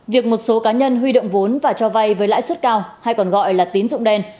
việc một số cá nhân huy động vốn và cho vay với lãi suất cao hay còn gọi là tín dụng đen